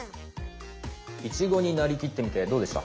イチゴになりきってみてどうでした？